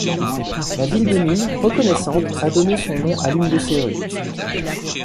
La ville de Nîmes, reconnaissante, a donné son nom à l'une de ses rues.